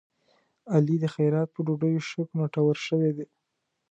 علي د خیرات په ډوډيو ښه کوناټور شوی دی.